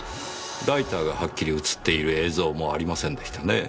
ライターがはっきり映っている映像もありませんでしたねぇ。